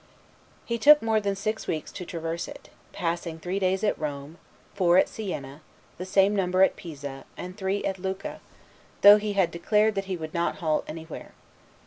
He took more than six weeks to traverse it, passing three days at Rome, four at Siena, the same number at Pisa, and three at Lucca, though he had declared that he would not halt anywhere.